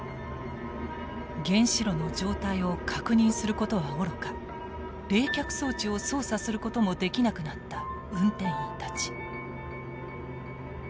原子炉の状態を確認することはおろか冷却装置を操作することもできなくなった運転員たち。